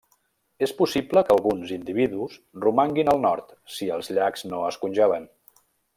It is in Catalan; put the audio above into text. És possible que alguns individus romanguin al nord si els llacs no es congelen.